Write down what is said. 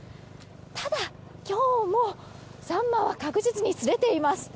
ただ、今日もサンマは確実に釣れています。